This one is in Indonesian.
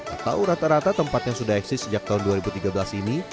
atau rata rata tempat yang sudah eksis sejak tahun dua ribu tiga belas ini